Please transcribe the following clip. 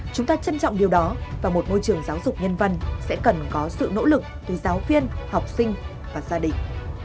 chúng ta trân trọng điều đó và một môi trường giáo dục nhân văn sẽ cần có sự nỗ lực từ giáo viên học sinh và gia đình